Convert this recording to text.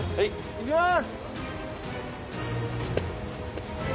いきます！